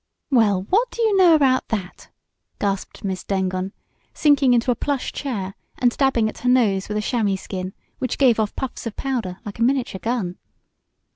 "Well, what do you know about that?" gasped Miss Dengon, sinking into a plush chair, and dabbing at her nose with a chamois skin, which gave off puffs of powder like a miniature gun.